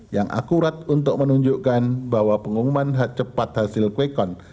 yang akurat untuk menunjukkan bahwa pengumuman cepat hasil kwekon